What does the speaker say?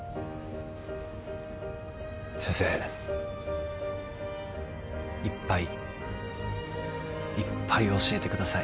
先生いっぱいいっぱい教えてください。